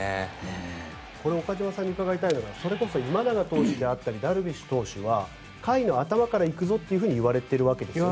これ岡島さんに伺いたいのはそれこそ今永投手であったりダルビッシュ投手は回の頭から行くぞと言われているわけですよね。